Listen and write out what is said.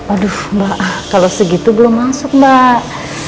aduh mbak ah kalau segitu belum masuk mbak